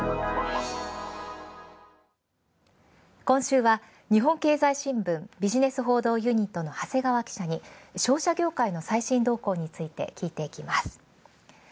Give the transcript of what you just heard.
今週は日本経済新聞、ビジネス報道ユニットの長谷川記者に商社業界の最新動向について聞いていきます。